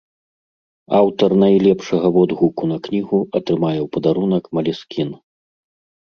Аўтар найлепшага водгуку на кнігу атрымае ў падарунак малескін.